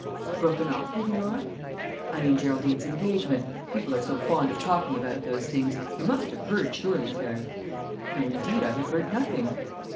"Broken off, Lady Laura?" "I mean Geraldine's engagement. People are so fond of talking about those things; you must have heard, surely, Clary." "No, indeed, I have heard nothing.